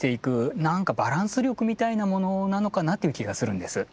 なんかバランス力みたいなものなのかなという気がするんです。